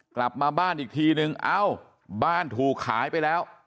กลับมาบ้านอีกทีนึงเอ้าบ้านถูกขายไปแล้ว